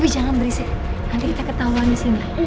jangan berisik nanti kita ketahuan di sini